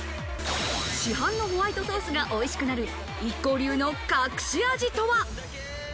市販のホワイトソースが美味しくなるＩＫＫＯ流の隠し味とは？